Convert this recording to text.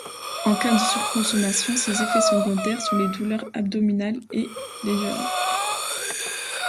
En cas de surconsommation, ses effets secondaires sont les douleurs abdominales et les diarrhées.